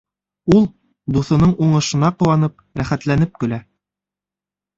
Ул, дуҫының уңышына ҡыуанып, рәхәтләнеп көлә.